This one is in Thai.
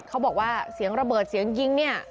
เขาบอกว่าเสียงระเบิดเสียงยิงเนี่ย